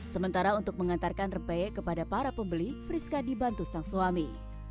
sementara untuk mengantarkan rempeyek kepada para pembeli friska dibantu sang suami